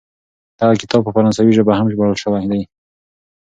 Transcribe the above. دغه کتاب په فرانسوي ژبه هم ژباړل سوی دی.